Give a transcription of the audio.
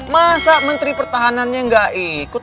masa menteri pertahanannya gak ikut